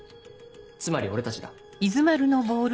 つまり俺たちだ。